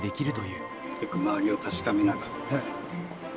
よく周りを確かめながら。